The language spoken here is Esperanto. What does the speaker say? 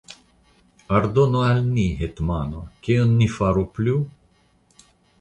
Ordonu al ni, hetmano, kion ni faru plu?